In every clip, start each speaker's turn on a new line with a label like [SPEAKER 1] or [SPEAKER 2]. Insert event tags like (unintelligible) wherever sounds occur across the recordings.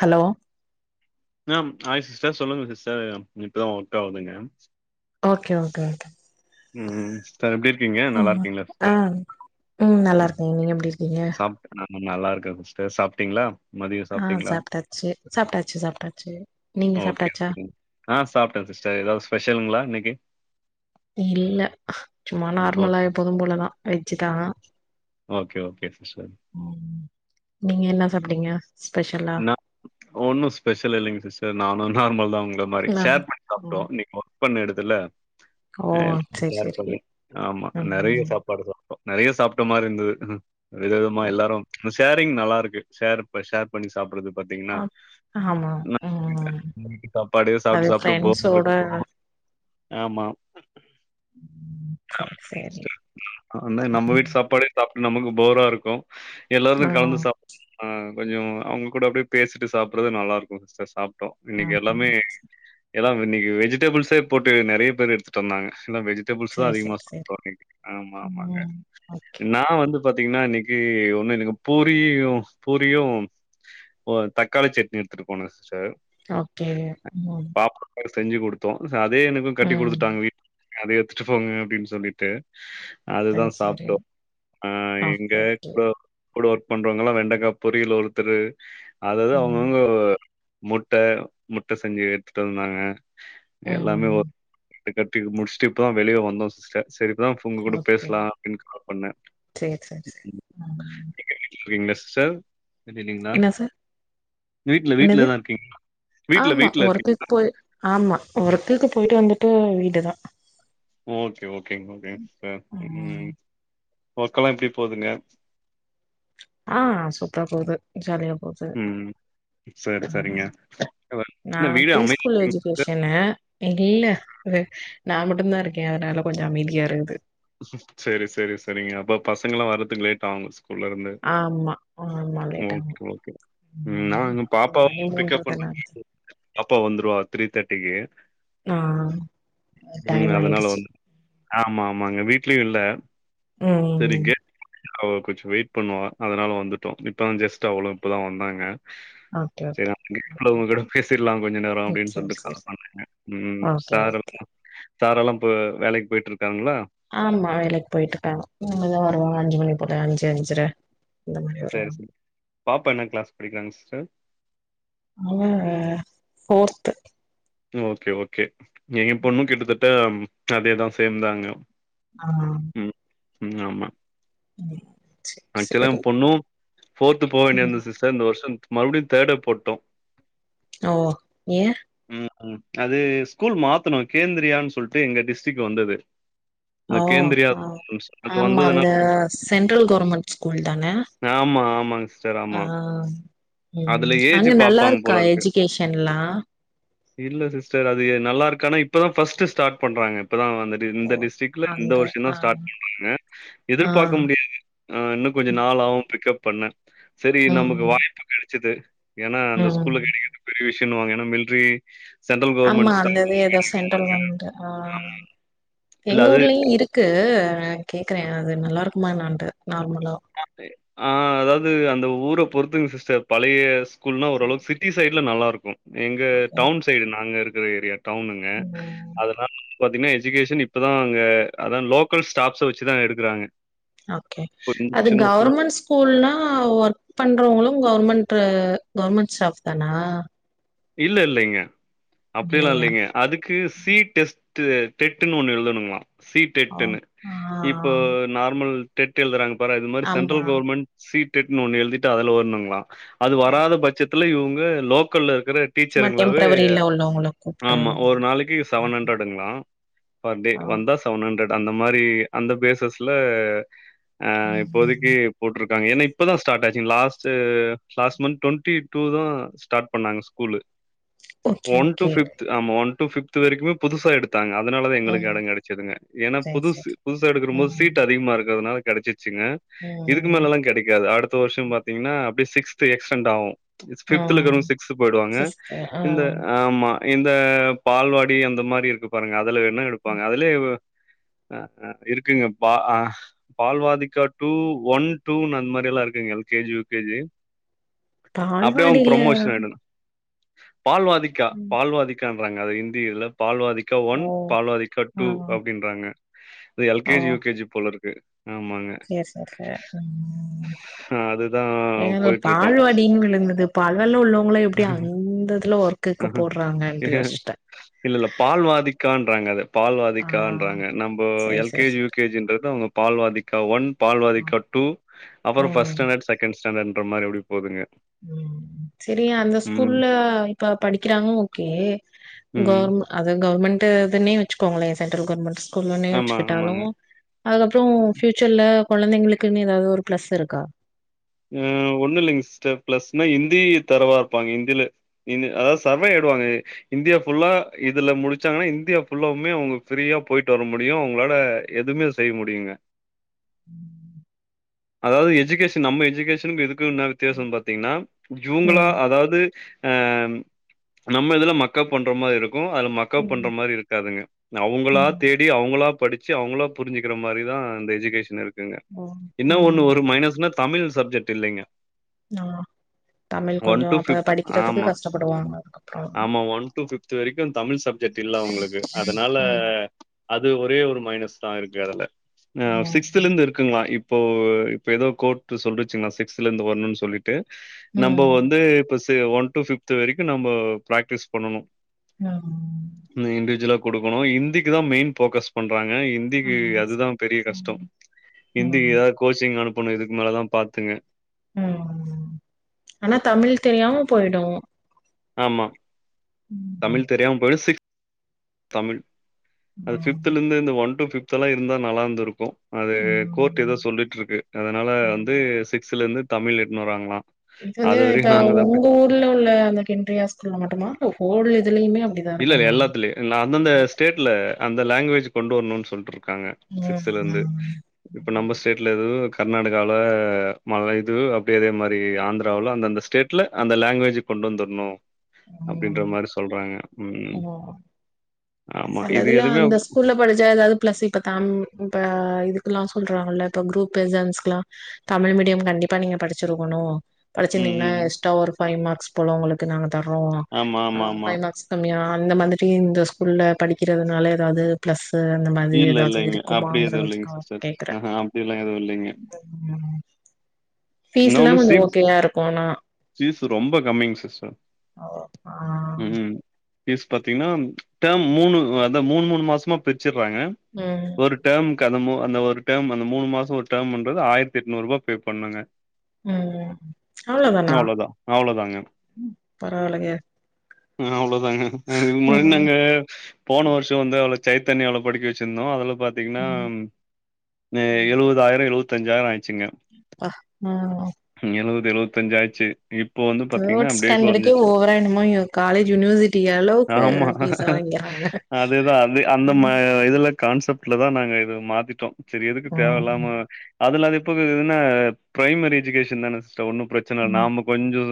[SPEAKER 1] Hello
[SPEAKER 2] ஆம் ஆய் sister சொல்லுங்க சிஸ்டர் இப்பதா ஒர்க் ஆகுதுங்க
[SPEAKER 1] ஓகே ஓகே நல்லது
[SPEAKER 2] ம் ஸ்டர் எப்டி இருக்கீங்க
[SPEAKER 1] ம்
[SPEAKER 2] நல்லாருக்கீங்ளா
[SPEAKER 1] ஆ
[SPEAKER 2] சிஸ்டர்
[SPEAKER 1] ம் நல்லாருக்கேங்க நீங்க எப்டி இருக்கீங்க
[SPEAKER 2] சாப்ட்டேன் நான் நல்லாருக்க சிஸ்டர் சாப்ட்டீங்களா
[SPEAKER 1] ஆ சாப்ட்டாச்சு சாப்ட்டாச்சு சாப்ட்டாச்சு நீங்க
[SPEAKER 2] ஓகே.
[SPEAKER 1] சாப்ட்டாச்சா
[SPEAKER 2] ம். ஆ சாப்ட்டே சிஸ்டர் எதாவ் ஸ்பெஷலுங்களா இன்னைக்கு
[SPEAKER 1] இல்ல சும்மா
[SPEAKER 2] ம்.
[SPEAKER 1] நார்மலா
[SPEAKER 2] ஓகே.
[SPEAKER 1] எப்பொதும் போலதா வெஜ்ஜுதா
[SPEAKER 2] ஓகே ஓகே சிஸ்டர்
[SPEAKER 1] ம் நீங்க என்ன சாப்டீங்க பெஷல்
[SPEAKER 2] நா ஒன்னு ஸ்பெஷல் இல்லேங்க சிஸ்டர் நானு நார்ம தா உங்க மாரி
[SPEAKER 1] நா
[SPEAKER 2] ஷேர் பண்ணி சாப்பிட்டோ
[SPEAKER 1] ம்
[SPEAKER 2] இன்னக்கு (unintelligible) பண்ண இடுத்துல
[SPEAKER 1] ஓ
[SPEAKER 2] எல்ல
[SPEAKER 1] சேரி
[SPEAKER 2] சேர்
[SPEAKER 1] சேரி
[SPEAKER 2] பண்ணி ஆமா நிறைய
[SPEAKER 1] ம்
[SPEAKER 2] சாப்பாடு சாப்டே நிறைய சாப்பிட்ட மாதிரி இருது வித விதமா எல்லாரு ஷேரிங் நல்லா இருக்கு ஷேர் ஷேர் பண்ணி சாப்டறது பாத்தீங்கன்னா
[SPEAKER 1] ஆ ஆமா
[SPEAKER 2] நா
[SPEAKER 1] ம்
[SPEAKER 2] சாப்படே
[SPEAKER 1] அது
[SPEAKER 2] சாப்ட்டு சாப்பிட்டு போர
[SPEAKER 1] ஃப்ரெண்ட்ஸோட
[SPEAKER 2] இருக்கு ஆமா
[SPEAKER 1] சேரி சேரி
[SPEAKER 2] (unintelligible) ஆ நம்ம வீட்டு சாப்பாடே சாப்பிட்டு நமக்கு போரா இருக்கு எல்லார்து
[SPEAKER 1] ஆ
[SPEAKER 2] கலந்து சாப்ட ஆஹ் கொஞ்சோ அவங்க கூட அப்படியே பேசிட்டு சாப்பறது நல்லா இருக்கு சிஸ்டர் சாப்ப டோ இன்னைக்கு
[SPEAKER 1] ம்
[SPEAKER 2] எல்லாமே எல்லா இன்னைக்கி வெஜிடபிள்ஸே போட்டு நெறைய பேர் எடுத்துட்டு வந்தாங்க எல்ல வெஜ் வெஜிடபில்ஸ் தா
[SPEAKER 1] சேரி
[SPEAKER 2] அதிகமா
[SPEAKER 1] சேரி சேரி
[SPEAKER 2] சாப்டோஇன்னேக்கு ஆமா ஆமாங்க
[SPEAKER 1] ம் ஓகே
[SPEAKER 2] நா வந்து பாத்தீங்கன்னா இன்னக்கி ஒண்ணு எனக்கு பூரி பூரியு ஓ தக்காளி சட்னி எடுத்துட்டுபோனே சிஸ்டர்
[SPEAKER 1] ஓகே ம்
[SPEAKER 2] பாப்பாவுக்கு செஞ்சு கொடுத்தோ சோ அதே எனக்கு கட்டி
[SPEAKER 1] ம்
[SPEAKER 2] கொடுத்துங்க வீட்டுல அதயே எத்துட்டு போங்க அப்டின்னு சொல்லிட்டு அதுதா
[SPEAKER 1] சரி, சரி.
[SPEAKER 2] சாப்பிட்டோ ஆஹ்
[SPEAKER 1] ஓகே,
[SPEAKER 2] எங்க
[SPEAKER 1] ஓகே.
[SPEAKER 2] ப்ரோ கூட ஒர்க் பண்றவாங்கல்லா வெண்டைக்கா பொரியலு ஒருத்தரு அதாவது
[SPEAKER 1] ம்.
[SPEAKER 2] அவுங்கவுங்க முட்ட முட்ட செஞ்சு எடுத்துட்டு வந்தாங்க எல்லாமே ஒ
[SPEAKER 1] ம்.
[SPEAKER 2] கட்டி முடிச்சுட்டு இப்பதா வெளிய வந்தோ சிஸ்டர் சேரி இப்பதா உங்க கூட
[SPEAKER 1] ஓகே.
[SPEAKER 2] பேசலா அப்டின்னு கால் பண்ணே
[SPEAKER 1] சரி, சரி, சரி.
[SPEAKER 2] (unintelligible)
[SPEAKER 1] ம்.
[SPEAKER 2] சிஸ்டர் குட் ஈவ்னிங்னா
[SPEAKER 1] என்ன சார்?
[SPEAKER 2] வீட்ல
[SPEAKER 1] என்னது?
[SPEAKER 2] வீட்லதா இருக்கீங்க வீட்ல
[SPEAKER 1] ஆமா.
[SPEAKER 2] வீட்ல இருக்கீங்க
[SPEAKER 1] ஒர்க்குக்கு போய் ஆமா ஒர்க்குக்கு போயிட்டு வந்துட்டு வீடுதா
[SPEAKER 2] ஓகே ஓகேங்க ஓகேங்க சிஸ்டர் ம் ஒர்க்கலா எப்டி போவ்துங்க
[SPEAKER 1] அஹ சூப்ரா போவ்து ஜாலியா போவ்து
[SPEAKER 2] ம். சரி, சரிங்க. அதான்
[SPEAKER 1] நா
[SPEAKER 2] என்ன வீடு
[SPEAKER 1] பிரீ
[SPEAKER 2] அமை
[SPEAKER 1] ஸ்கூல் எஜிகேஷனு இல்ல நா மட்டுதா இருக்கே அதனால கொஞ்சோ அமதியா இருக்குது
[SPEAKER 2] சேரி சேரி சேரிங்க அப்போ பசங்கலா வறதுக்கு லேட் ஆவுங்க ஸ்கூல்லருந்து
[SPEAKER 1] ஆமா ஆமா. லேட் ஆகும்.
[SPEAKER 2] ஓகே ஓகே
[SPEAKER 1] ம்.
[SPEAKER 2] நா இன்னு பாப்பாவ
[SPEAKER 1] மணி
[SPEAKER 2] பிக்கப்
[SPEAKER 1] தான ஆகுது.
[SPEAKER 2] பண்ற பாப்பா வந்துருவா த்ரீ தேர்ட்டிக்கு
[SPEAKER 1] ஆ
[SPEAKER 2] ம்
[SPEAKER 1] டைம்
[SPEAKER 2] அதனால
[SPEAKER 1] ஆயிடுச்சு.
[SPEAKER 2] வந்து ஆமா ஆமாங்க வீட்லயு இல்ல சேரிங்க
[SPEAKER 1] ம்.
[SPEAKER 2] கொஞ்சோ வெயிட் பண்ணுவா அதனால வந்துட்டோ இப்பதா ஜெஸ்ட் அவ்ளவு இப்பதா வந்தாங்க
[SPEAKER 1] அ
[SPEAKER 2] சேரி நா உங்ககூட பேசிடலா கொஞ்சோ நேரோ அப்டினு
[SPEAKER 1] சேரி
[SPEAKER 2] சொல்லிட்டு கால்
[SPEAKER 1] சேரி
[SPEAKER 2] பண்ணேங்க ம்
[SPEAKER 1] ஓகே
[SPEAKER 2] சாரு
[SPEAKER 1] ஓகே
[SPEAKER 2] சாரெல்லா இப்ப வேலக்கி போயிட்டு இருக்காங்களா
[SPEAKER 1] ஆமா வேலைக்கு போயிட்டு இருக்காங்க இனிமேதா வருவாங்க அஞ்சு மணி போல அஞ்சு அஞ்சர இந்த மாரி
[SPEAKER 2] சேரி
[SPEAKER 1] வருவாங்க
[SPEAKER 2] சிஸ் பாப்பா என்ன கிளாஸ் படிக்கிறாங்க சிஸ்டர்
[SPEAKER 1] அ போஃர்த்து
[SPEAKER 2] ஓகே ஓகே எங்க பொண்ணு கிட்டத்தட்ட அதேதா சேம்தாங்க
[SPEAKER 1] ஆ
[SPEAKER 2] உம் உம் ஆமா
[SPEAKER 1] (inaudible)
[SPEAKER 2] ஆக்சுவலா
[SPEAKER 1] சேரி
[SPEAKER 2] பொண்ணு ஃபோர்த்து போக வேண்டிய அந்த
[SPEAKER 1] ம்
[SPEAKER 2] சிஸ்டர் இந்த வருஷோ மறுபடியு தேர்டே போட்டோ
[SPEAKER 1] ஓ ஏ
[SPEAKER 2] ம் ம் அது ஸ்கூல் மாத்தணோ கேந்திரியான்னு சொல்லிட்டு எங்க டிஸ்டிக் வந்தது இந்த
[SPEAKER 1] ஓ
[SPEAKER 2] கேந்திரியா அது
[SPEAKER 1] ஆமா
[SPEAKER 2] வந்ததுனால
[SPEAKER 1] அந்த சென்ட்ரல் கவர்மெண்ட் ஸ்கூல் தானே
[SPEAKER 2] ஆமா ஆமாங்க சிஸ்டர் ஆமா
[SPEAKER 1] ம்
[SPEAKER 2] அதுல ஏஜ்
[SPEAKER 1] அங்க நல்லா
[SPEAKER 2] பார்ப்பாங்க
[SPEAKER 1] இருக்கா
[SPEAKER 2] போல இருக்கு.
[SPEAKER 1] எஜிகேஷன்லா
[SPEAKER 2] இல்ல சிஸ்டர் அது நல்லாருக்கான இப்பதா பர்ஸ்ட்டு ஸ்டார்ட் பண்றாங்க இப்பதா வந்து டு இந்த
[SPEAKER 1] ஓ
[SPEAKER 2] டிஸ்ரிக்ல இந்த
[SPEAKER 1] அங்க
[SPEAKER 2] வருஷோன்தா
[SPEAKER 1] ஆ
[SPEAKER 2] ஸ்டார் பண்ணுராங்க
[SPEAKER 1] ஆ
[SPEAKER 2] எதிர்பாக்க முடியாது ஆ இன்னு கொஞ்சு
[SPEAKER 1] ம்
[SPEAKER 2] நாள் ஆகு பிக்கப் பண்ண செரி நமக்கு
[SPEAKER 1] ம்
[SPEAKER 2] வாய்ப்பு கெடைச்சது ஏன்னா அந்த ஸ்கூல
[SPEAKER 1] ம்.
[SPEAKER 2] கெடைக்கிறது பெரிய விஷயோன்னு வாங்க ஏன்ன மிலிட்ரி
[SPEAKER 1] ஆமா அந்த இது ஏதோ சென்ட்ரல் கவர்மெண்டு ஆ
[SPEAKER 2] இல்ல
[SPEAKER 1] எங்க
[SPEAKER 2] அது
[SPEAKER 1] ஊர்லயு இருக் க்கு நா கேக்குறே அது நல்லா இருக்குமா என்னான்ட்டு நார்மலா
[SPEAKER 2] ஆ அதாவது அந்த ஊர பொறுத்துங்க சிஸ்டர் பழைய ஸ்கூல்னா ஓரளவுக்கு சிட்டி சைட் உள்ள நல்லா இருக்கு எங்க
[SPEAKER 1] ஓகே.
[SPEAKER 2] டவுன் சைடு நாங்க இருக்கிற ஏரியா டவுனுங்க
[SPEAKER 1] ம்.
[SPEAKER 2] அதனால பாத்தீங்கன்னா எஜுகேஷன் இப்பதான் அங்க அதா லோக்கல் ஸ்டாப்ஸ வச்சுதா எடுக்குறாங்க
[SPEAKER 1] ஓக்கே அது
[SPEAKER 2] கொஞ்சம் ஃபுல்
[SPEAKER 1] கவர்மெண்ட் டு ஸ்கூல்னா ஒர்க் பண்றவங்களு கவர்மெண்ட்டு கவர்மெண்ட் ஸ்டாப் தானா
[SPEAKER 2] இல்ல இல்லைங்க அப்டிலா
[SPEAKER 1] இல்லையா?
[SPEAKER 2] இல்லைங்க அதுக்கு சி டெஸ்டு டெட்ன்னு ஒண்ணு எழுதணுமா சி
[SPEAKER 1] ஓ!
[SPEAKER 2] டெட்டுனு
[SPEAKER 1] ஆ.
[SPEAKER 2] இப் ப நார்மல் டெட் எழுதுறாங்க பாரு அது மாறி
[SPEAKER 1] ஆமா.
[SPEAKER 2] சென்ட்ரல் கவர்மெண்ட் சீ டெட்டுன்னு ஒண்ணு எழுதிட்டு அதுல வரணுங்களா அது வராத பட்சத்துல இவங்க லோக்கல்ல இருக்கிற
[SPEAKER 1] சும்மா
[SPEAKER 2] டீச்சருங்களாவே
[SPEAKER 1] டெம்பரவரில உள்ளவங்கள கூப்ட்டு
[SPEAKER 2] ஆமா ஒரு நாளைக்கு செவன் ஹண்ரட் ளா பெர் டே
[SPEAKER 1] ஆ.
[SPEAKER 2] வந்தா செவன் ஹண்ரட் அந்த மாறி அந்த பேசஸ்ல ஆ
[SPEAKER 1] ஓகே.
[SPEAKER 2] இப்போதைக்கு
[SPEAKER 1] ம்.
[SPEAKER 2] போட்ருக்காங்க ஏன்னா இப்ப தா ஸ்டார்ட் ஆச்சு last last month twenty two தா ஸ்டார்ட் பண்ணாங்க school
[SPEAKER 1] okay,
[SPEAKER 2] one to
[SPEAKER 1] okay.
[SPEAKER 2] Fifth ஆமா ஒன் டு பிப்து வரைக்குமே புதுசா எடுத்தாங்க அதனாலதா எங்களுக்கு
[SPEAKER 1] ம்.
[SPEAKER 2] எடோ கெடச்சதுங்க ஏன்னா
[SPEAKER 1] சரி,
[SPEAKER 2] புதுசு
[SPEAKER 1] சரி.
[SPEAKER 2] புதுசா எடுக்குர போது
[SPEAKER 1] ம்.
[SPEAKER 2] சீட் அதிகமா இருக்குறதுனால கெடைச்சு சுங்க இதுக்கு
[SPEAKER 1] ம்.
[SPEAKER 2] மேலல்லா கெடைக்காது அடுத்த வருஷம் பாத்தீங்கன்னா அப்டியே சிக்ஸ்த் எக்ஸ்டெண்ட் ஆகு பிப்தல
[SPEAKER 1] ம்.
[SPEAKER 2] இருக்கிறவங்க சிக்ஸ்த் போயிடுவாங்க
[SPEAKER 1] சிஸ்டர் ஆ.
[SPEAKER 2] இந்த ஆமா இந்த பால்வாடி அந்த மாறி இருக்கு பாருங்க அதுல வேணா எடுப்பாங்க அதுலயே ஆ ஆ இருக்குங்க பா ஆ பால்வாதிக்கா டூ ஒன் டூன்னு அந்த மாறில்லா இருக்குங்க L K G U K G அப்டியே அவங்க
[SPEAKER 1] பால்வாடில
[SPEAKER 2] பிரமோஷன் ஆயிடுனு பால்வாதிக்கா
[SPEAKER 1] ம்.
[SPEAKER 2] பால்வாதிக்கான்றாங்க அது இந்தியில பால்வாதிக் கா
[SPEAKER 1] ஓ!
[SPEAKER 2] ஒன் பால்வாதிக்கா
[SPEAKER 1] ஆ.
[SPEAKER 2] டூ அப்டின்றாங்க இது L K G U K G போல இருக்கு ஆமாங்க
[SPEAKER 1] சேரி சேரி சேரி ம்
[SPEAKER 2] அதுதான்
[SPEAKER 1] எங்களதுல
[SPEAKER 2] போயிட்டுருக்கோம்.
[SPEAKER 1] பால்வாடின்னு ஒன்னு இருந்தது பகல்ல உள்ளவங்கள எப்டி அந்தததுல ஒர்க்குக்கு
[SPEAKER 2] ம்
[SPEAKER 1] போடுறாங்கன்ட்டு யோசிச்சிட்டே
[SPEAKER 2] இல்ல இல்ல பால்வாதிக்கான்றாங்க அத
[SPEAKER 1] ஆ
[SPEAKER 2] பால்வாதிக்கான்றாங்க நம்ம
[SPEAKER 1] சேர்
[SPEAKER 2] எல் கே
[SPEAKER 1] சேர்
[SPEAKER 2] ஜி யூ
[SPEAKER 1] சேர்
[SPEAKER 2] கே ஜி ன்றது அவங்க பால்வாதிக்கா ஒன் பால்வதிக்கா டூ அப்பறோ ஃபஸ்ட்
[SPEAKER 1] ம்
[SPEAKER 2] ஸ்டேண்டர்டு செகண்ட் ஸ்டேண்டர்ன்ற மாறி அப்டி போகுதுங்க
[SPEAKER 1] ம் செரி அந்த ஸ்கூல்ல இப்ப படிக்கிறாங்க ஓக்கே
[SPEAKER 2] ம்.
[SPEAKER 1] கவர்மெண் அது கவர்மெண்ட்டுதுன்னே வச்சுக்கோங்களே சென்ட்ரல் கவர்மெண்ட் ஸ்கூல்லுனே
[SPEAKER 2] ஆமா,
[SPEAKER 1] வெச்சுக்கிட்டாலு
[SPEAKER 2] ஆமாங்க.
[SPEAKER 1] அதுக்கப்பறோ ஃபியூச்சர்ல கொழந்தைங்களுக்குன்னு ஏதாவது ஒரு பிளஸ் இருக்கா
[SPEAKER 2] ஆ ஒன்னு இல்லைங்க சிஸ்டர் பிளஸ்ன்னா ஹிந்தி தரவா இருப்பாங்க ஹிந்தியில இது அதாவது சர்வே ஆயிடுவாங்க இந்தியா புல்லா இதுல முடிச்சாங்கன்னா இந்தியா ஃபுல்லாவுமே அவங்க பிரீயா போயிட்டு வர முடியு அவங்களாள எதுமே செய்முடியுங்க
[SPEAKER 1] ம்
[SPEAKER 2] அதாவது எஜுகேஷன் நம்ம எஜீ கேஷனுக்கு இதுக்கு ன்ன வித்தியாசம்னு பாத்தீங்கன்னா இவ்ங்களா
[SPEAKER 1] ம்
[SPEAKER 2] அதாவது ஆ நம்ம இதுல மக்கப் பண்ற மாரி இருக் கு அது மக்க பண்ற
[SPEAKER 1] ம்
[SPEAKER 2] மாரி இருக்காதுங்க அவங்களா
[SPEAKER 1] ம்
[SPEAKER 2] தேடி அவங்களா படிச் சி அவங்களா புரிஞ்சிக்கிற மாரி தா அந்த எஜுகேஷன் இருக்குங்க
[SPEAKER 1] ஓ
[SPEAKER 2] என்னோ ஒன்னு
[SPEAKER 1] ம்
[SPEAKER 2] ஒரு மைனஸ்னா தமிழ் சப்ஜெட் இல்லைங்க
[SPEAKER 1] ஆ தமிழ் கொஞ்சோ
[SPEAKER 2] டூ
[SPEAKER 1] அப்ப படிக்கிறதுக்கு
[SPEAKER 2] ஆமா.
[SPEAKER 1] கஷ்டப்படுவாங்க அதுக்கப்புறோ
[SPEAKER 2] இது வரைக்கோ தமிழ் சப்ஜெக்ட் இல்ல அவங்களுக்கு அதனால
[SPEAKER 1] ம்
[SPEAKER 2] அது ஒரே ஒரு மைனஸ் தா இருக்கு அதுல அ
[SPEAKER 1] ம்
[SPEAKER 2] சிக்ஸ்த்லருந்து இருக்குங்களா இப்போ இப்ப ஏத கோர்ட்சொல்ச் சிங்களா சிக்ஸ்தலருந்து வரணு சொல்லிட்டு நம்போ
[SPEAKER 1] ம்
[SPEAKER 2] வந் து ப சி ஒன் டு பிப்து வரைக்கு நம்ம பிராக்டிஸ் பண்ணனு
[SPEAKER 1] ஆம்
[SPEAKER 2] இண்டிஜுவலா குடுக்கணு ஹிந்திக்கு தா மெயின் போக்கஸ் பண்றாங்க இந் திக்கு அதுதா பெரிய கஷ்டோ ஹிந்திக்கு
[SPEAKER 1] ம்
[SPEAKER 2] ஏதாது கோச்சிங் அனுப்பணு இதுக்கு மேலதா பாத்துங்க
[SPEAKER 1] ம் ஆனா தமிழ் தெரியாம போயிடு
[SPEAKER 2] ஆமா தமிழ் தெரியாம போயிடு சிக் தமிழ் அது பிப்தலந்து இந்த ஒன் டு பிப்த்ல்லா இருந்தா நல்லாந்துருக்கு அது கோட் ஏதோ சொல்லிட்டுருக்கு அதனால வந்து சிக்ஸ்துலருந்து தமிழ் எத்துனு வராங்களா
[SPEAKER 1] இது வந்து இப்ப உங்க ஊர்ல உள்ள அந்த கேந்திரியா ஸ்கூல்ல மட்டுமா ஹோல் இதுலயு அப்படி
[SPEAKER 2] இல்லல்ல எல்லாத்துலயோ அந்த ஸ்டேட்ல அந்த லங்குவேஜ் கொண்டு வரணுன்னு சொல்ட்டுருக்காங்க
[SPEAKER 1] ம்
[SPEAKER 2] சிக்ஸ்த்லருந்து இப்ப நம்ம ஸ்டேட்ல இது கர்நாடகால மல இது அப்படி அதே மாரி ஆந்திராவுல அந்தந்த ஸ் டேட்ல அந்த லங்குவேஜ் கொண்டு வந்துரணு அப்டின்ற மாரி சொல்றாங்க
[SPEAKER 1] ஓ
[SPEAKER 2] ம். ஆமா. இது
[SPEAKER 1] செலதுல
[SPEAKER 2] எதுவுமே அப்
[SPEAKER 1] அந்தஸ்கூ ல்ல படிச்சா ஏதாது பிளஸ் இப்ப தம் இப்ப இதுக்கெல்லா சொல்றாங்கல இப்ப குரூப் எக்ஷாம்ஸ்க்கெலா தமிழ் மீடியம் கண்டிப்பா நீங்க படிச்சிருக்கணு
[SPEAKER 2] ம்,
[SPEAKER 1] படிச்சிருந்தீங்கன்னா
[SPEAKER 2] ம்.
[SPEAKER 1] எக்ஸ்டா ஒரு ஃபைவ் மார்க்ஸ் போல உங்களுக்கு நாங்க தர்றோ
[SPEAKER 2] ஆமா, ஆமா, ஆமா.
[SPEAKER 1] ஃபைவ் மார்க்ஸ் சம்யா அந்த மாதிரி இந்த ஸ்கூல்ல படிக்கிறதுனால எதாது பிளஸ்சு அந்த மாதிரி
[SPEAKER 2] இல்ல
[SPEAKER 1] ஏதாது
[SPEAKER 2] இல்லைங்க. அப்படி எதுவும் இல்லைங்க
[SPEAKER 1] இருக்குமாங்றதுக்காக நா வந்து
[SPEAKER 2] சிஸ்டர்.
[SPEAKER 1] கேக்குறே (inaudible)
[SPEAKER 2] ஆஹ அப்படிலாம் எதுவும் இல்லைங்க.
[SPEAKER 1] பீஸ்ல்லா கொஞ்சோ ஓகேயா இருக்கோ ஆனா
[SPEAKER 2] பீஸ் ரொம்ப கம்மிங் சிஸ்டர்
[SPEAKER 1] ஆ
[SPEAKER 2] ம்க்ம் பீஸ் பாத்தீங்கன்னா டேம் மூணு அத மூணு மூணு மாசமா பிரிச்சிற்றாங்க
[SPEAKER 1] ம்
[SPEAKER 2] ஒரு டேம்க்கு அந்த மூ அந்த ஒரு டேம் அந்த மூணு மாசோ ஒரு டேம்ன்றது ஆயிரத்தி எட்நூரூபா பே பண்ணுங்க
[SPEAKER 1] ம் அவ்ளோ தானா
[SPEAKER 2] அவ்வளோதான். அவ்வளோதாங்க.
[SPEAKER 1] பரவாலக
[SPEAKER 2] ம் அவ்ளோதாங்க இதுக்கு முன்னாடி
[SPEAKER 1] ம்
[SPEAKER 2] நாங்க போன வருஷோ வந்து அவ்ளோ சைத் தனியா அவல படிக்க வெச்சிருந்தோ அதல பாத்தீங்கன்னா எழுவதாயிறோ எழுவத்தஞ்சாயிறோ ஆயிருச்சுங்க
[SPEAKER 1] ப்பா ம்
[SPEAKER 2] எழுவது எழுவத்தஞ்சி ஆச்சி இப்போ வந்து பாத்தீங்கன்னா
[SPEAKER 1] தேர்ட்
[SPEAKER 2] அப்டியே
[SPEAKER 1] ஸ்டாண்டர்டுக்கே
[SPEAKER 2] கொறைஞ்சிச்சக
[SPEAKER 1] ஓவரா என்னமோ காலேஜ் யூனிவர்சிட்டி அளவுக்கு
[SPEAKER 2] ஆமா
[SPEAKER 1] ஃபீஸா வாங்கிறாங்க
[SPEAKER 2] அதே தா அது அந் இந்த மா
[SPEAKER 1] ம்
[SPEAKER 2] இதுல கான்செப்ட்டுலதா நாங்க இது மாத்திட்டோ சேரி எதுக்கு தேவ இல்லாம அதுல அது எப்போ இருக்குதுன்னா பிரைமரி எஜுகேஷ தானே சோ ஒன்னு பிரச்சன இல்ல
[SPEAKER 1] ம்
[SPEAKER 2] நாம்ம கொஞ்சோ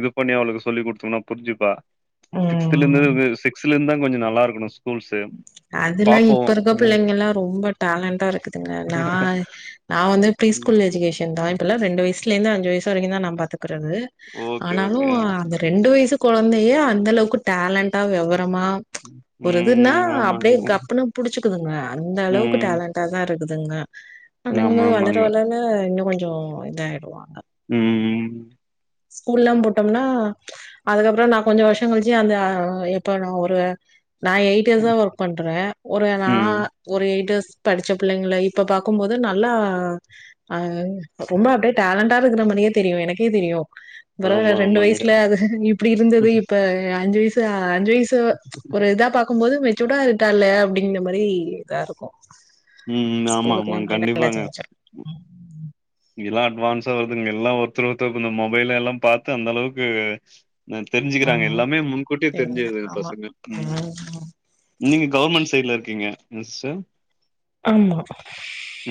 [SPEAKER 2] இது பண்ணி அவளுக்கு சொல்லி கூடுத்தோம்னா புரிஞ்சிப்பா
[SPEAKER 1] ம்
[SPEAKER 2] சிக்ஸ்த்லந்து சிக்ஸ்த்துல இருந்தா கொஞ்சோ நல்லா இருக்கணு ஸ்கூல்ஸ்
[SPEAKER 1] அதுல்லா இப்ப இருக்க பிள்ளைங்கல்லா ரொம்ப டேலண்டா இருக்குதுங்க நா நா வந்து ஃப்ரி
[SPEAKER 2] ம்
[SPEAKER 1] ஸ்கூல் எஜுகேஷன் தா இப்பல்ல ரெண்டு வயசுல இருந்து அஞ்சு வயசு வரைக்கு தா நா பாத்துக்கறது
[SPEAKER 2] ஓகே
[SPEAKER 1] ஆனாலு
[SPEAKER 2] ஓகே ஆ
[SPEAKER 1] அந்த ரெண்டு வயசு கோழந்தையே அந்தளவுக்கு டேலண்டா விவரமா
[SPEAKER 2] ம்
[SPEAKER 1] எதுன்னா அப்புடியே
[SPEAKER 2] ஆமாங்க
[SPEAKER 1] கப்புனு புடிச்சுக்குதுங்க அந்த அளவுக்கு
[SPEAKER 2] ம்
[SPEAKER 1] டேலண்டாதா இருக்குதுங்க அப்டிங்கும்
[SPEAKER 2] ஆமா
[SPEAKER 1] போது வளர
[SPEAKER 2] ஆமாங்க
[SPEAKER 1] வளரல இன்னு கொஞ்சோ இதாயிடுவா
[SPEAKER 2] ம்
[SPEAKER 1] ஸ்கூல்லா போட்டோம்னா அதுக்கப்றோ நா கொஞ்சோ வருஷோ கழிச்சு அந்த இப்ப நா ஒரு நா எயிட் இயர்ஸ் ஆ ஒர்க் பண்ற ஒரு நா
[SPEAKER 2] ம்
[SPEAKER 1] ஒரு எயிட் இயர்ஸ் படிச்ச பிள்ளைங்கள இப்ப பாக்கும் போது நல்லா அது ரொம்ப அப்டியே டேலண்டா இருக்கற மாரியே தெரியு எனக்கே தெரியு பரவால்ல
[SPEAKER 2] ஆமா
[SPEAKER 1] ரெண்டு
[SPEAKER 2] ஆமாங்க
[SPEAKER 1] வயசுல அது இப்புடி இருந்தது இப்ப அஞ்சி வயசு இப்ப ஆஞ்சி வயசு ஒரு இதா பாக் இருக்கும் போது மெச்சூடா ஆயிட்டாலால அப்டிங்கிற மாரி இதா இருக்கு
[SPEAKER 2] ம் ஆமா
[SPEAKER 1] ஸ்கூலுக்கெல்லா
[SPEAKER 2] ஆமாங்க
[SPEAKER 1] போனா நல்லா செஞ்சாயிரோ
[SPEAKER 2] இதுல்லா அட்வான்ஸா வருதுங்க எல்லா ஒருத்தர் ஒருத்தருக்கு இந்த மொபைல் எல்லா பாத்து அந்த அளவுக்கு நா தெரிஞ்சிக்கிறாங்க
[SPEAKER 1] ம்
[SPEAKER 2] எல்லாமே முன்கூட்டியே தெரிஞ்சிறுதுங்க
[SPEAKER 1] ஆமா
[SPEAKER 2] பசங்க ம் நீங்க கவர்மெண்ட் சைட்ல இருக்கீங்க என்ன சிஸ்டர்
[SPEAKER 1] ஆமா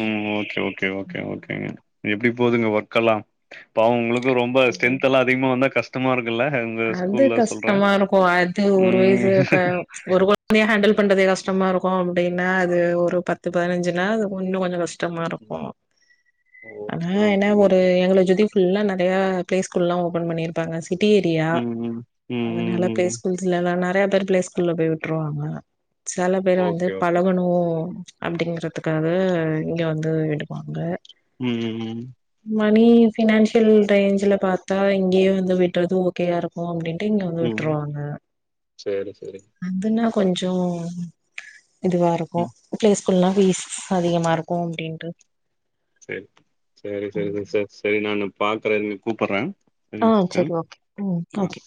[SPEAKER 2] ம் ஓகே ஓகே ஓகே ஓகேங்க எப்டி போகுதுங்க ஒர்க் எல்லாம் பாவு உங்களுக்கு ரொம்ப ஸ்ட்ரென்த் எல்லா அதிகமா வந்தா கஷ்டமா இருக்குல்ல உங்க
[SPEAKER 1] அது
[SPEAKER 2] ஸ்கூல்ல சொல்றே
[SPEAKER 1] கஷ்டமா இருக்கு அது ஒரு வயசு அப்ப ஒரு அதைய ஹேண்டல் பண்றதே கஷ்டமா இருக்கு அப்டின்னா அது ஒரு பத்து பதினஞ்சி நாள் அது இன்னு கொஞ்சோ கஷ் ட்டமா
[SPEAKER 2] ம்
[SPEAKER 1] இருக்கு ஆனா
[SPEAKER 2] ஓகே
[SPEAKER 1] ஏன்னா
[SPEAKER 2] ஓகே
[SPEAKER 1] ஒரு
[SPEAKER 2] ஓகே
[SPEAKER 1] எங்கள சுத்தி ஃபுல்லா நறைய பிளே ஸ்கூல்லா ஓபன் பண்ணிருப்பாங்க சிட்டி ஏரியா
[SPEAKER 2] ம் ம் ம் ம்
[SPEAKER 1] அதனால
[SPEAKER 2] ம்
[SPEAKER 1] பிளே
[SPEAKER 2] ம்
[SPEAKER 1] ஸ்கூல்லா நறைய பேரு பிளே ஸ்கூல்ல போயி விட்டுருவாங்க செல பேரு வந்து
[SPEAKER 2] ஓகே ஓகே
[SPEAKER 1] பழகனு அப்டிங்கறதுக்காக இங்க வந்து விடுவாங்க
[SPEAKER 2] ம் ம் ம்
[SPEAKER 1] மணி பினான்சியல் ரேஞ்சில பாத்தா இங்கயே வந்து விட்றது ஓகேயா இருக் கோ அப்டின்ட்டு இங்க வந்து
[SPEAKER 2] ம் ம்
[SPEAKER 1] விட்ருவாங்க
[SPEAKER 2] சரி சரி
[SPEAKER 1] அதுன்னா கொஞ்சோ இதுவா இருக்கு
[SPEAKER 2] ம்
[SPEAKER 1] பிளேஸ் ஸ்கூல்லா ஃபீஸ் அதிகமா இருக்கு அப்டின்டு
[SPEAKER 2] செர் செரி செரி செரி செரி செரி நானு பாக்குறே இருங்க கூப்புட்ற
[SPEAKER 1] ஆ செரி ஓகே ம் ஓகே